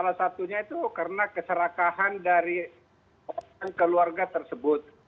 salah satunya itu karena keserakahan dari orang keluarga tersebut